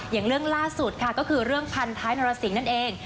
อย่างเรื่องล่าสุดค่ะก็คือเรื่องพันท้ายนรสิงห์นั่นเอง